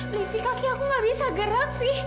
livi kaki aku nggak bisa gerak fi